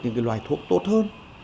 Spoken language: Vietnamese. những loài thuốc tốt hơn